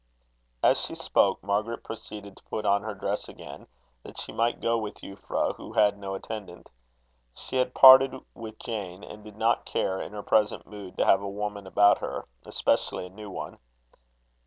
As she spoke, Margaret proceeded to put on her dress again, that she might go with Euphra, who had no attendant. She had parted with Jane, and did not care, in her present mood, to have a woman about her, especially a new one.